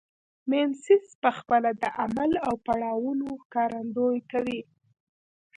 میمیسیس پخپله د عمل او پړاوونو ښکارندویي کوي